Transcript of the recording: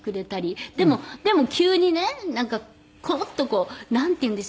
でも急にねなんかコロッとなんていうんでしょう。